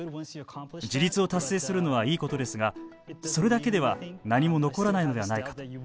自立を達成するのはいいことですがそれだけでは何も残らないのではないかと。